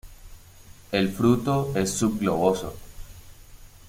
El fruto es subgloboso.